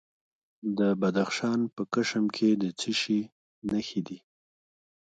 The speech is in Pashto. د بدخشان په کشم کې د څه شي نښې دي؟